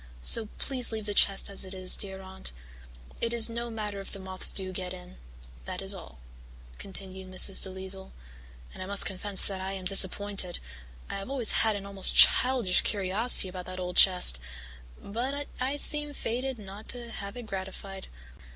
So please leave the chest as it is, dear Aunt. It is no matter if the moths do get in.' That is all," continued Mrs. DeLisle, "and I must confess that I am disappointed. I have always had an almost childish curiosity about that old chest, but I seem fated not to have it gratified.